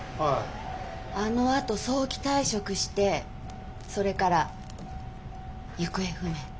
あのあと早期退職してそれから行方不明。